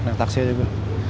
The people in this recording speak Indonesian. nanti taksi aja gua